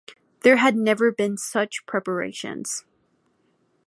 There had never been such preparations.